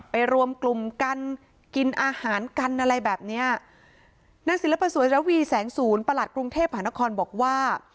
รวมกลุ่มกันกินอาหารกันอะไรแบบเนี้ยนางศิลปสวยระวีแสงศูนย์ประหลัดกรุงเทพหานครบอกว่า